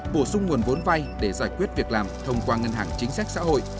bổ sung nguồn vốn vay để giải quyết việc làm thông qua ngân hàng chính sách xã hội